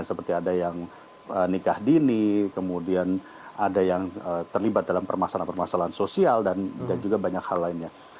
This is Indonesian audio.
seperti ada yang nikah dini kemudian ada yang terlibat dalam permasalahan permasalahan sosial dan juga banyak hal lainnya